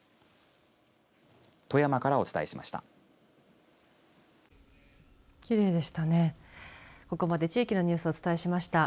富山からお伝えしました。